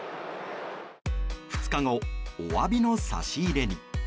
２日後、お詫びの差し入れに。